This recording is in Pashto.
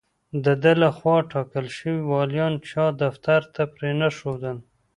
د ده له خوا ټاکل شوي والیان چا دفتر ته پرې نه ښودل.